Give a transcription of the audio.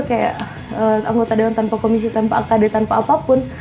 kayak anggota dewan tanpa komisi tanpa akd tanpa apapun